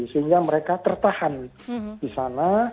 sehingga mereka tertahan di sana